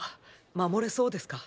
守れそうですか？